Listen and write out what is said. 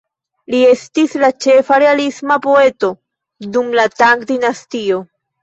Li estis la ĉefa realisma poeto dum la Tang dinastio.